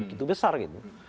itu besar gitu